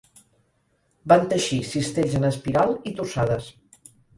Van teixir cistells en espiral i torçades.